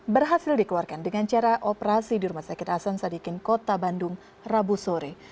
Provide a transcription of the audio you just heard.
berhasil dikeluarkan dengan cara operasi di rumah sakit hasan sadikin kota bandung rabu sore